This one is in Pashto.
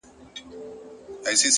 ریښتینی قوت د ځان کنټرول کې دی!.